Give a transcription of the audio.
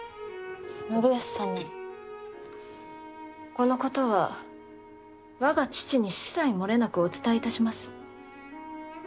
このことは我が父に子細漏れなくお伝えいたします。